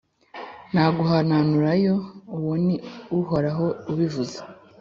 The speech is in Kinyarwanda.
naguhananturayo! uwo ni uhoraho ubivuze.